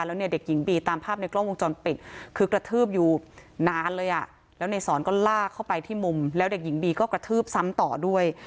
แล้วเนี่ยเด็กหญิงบีตามภาพในกล้องวงจรปิดคือกระทืบอยู่นานเลยอ่ะแล้วในสอนก็ลากเข้าไปที่มุมแล้วเด็กหญิงบีก็กระทืบซ้ำต่อด้วย